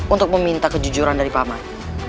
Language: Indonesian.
untuk meminta kejujuran dari paman